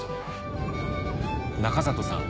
中里さん